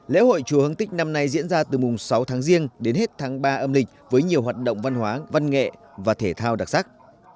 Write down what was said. lễ hội chùa hương tích năm nay diễn ra từ mùng sáu tháng riêng đến hết tháng ba âm lịch với nhiều hoạt động văn hóa văn nghệ và thể thao đặc sắc